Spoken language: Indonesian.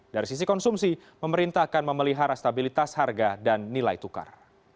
dari sisi konsumsi pemerintah akan memelihara stabilitas harga dan nilai tukar